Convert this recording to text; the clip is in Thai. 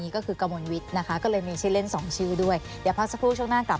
ขอบคุณค่ะ